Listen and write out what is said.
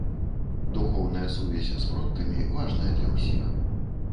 Духоўная сувязь з продкамі важная для ўсіх.